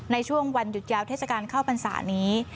ในช่วงวันหยุดยาวเทศกาลเข้าพรรษานี้